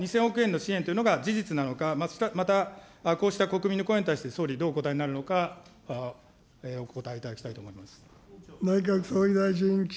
そうしたこの２０００億円の支援というのが事実なのか、またこうした国民の声に対して、総理、どうお答えになるのか、お答えいただきたいと思います。